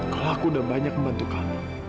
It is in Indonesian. kalau aku udah banyak membantu kami